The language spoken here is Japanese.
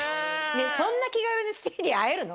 ねえそんな気軽にスティーヴィー会えるの？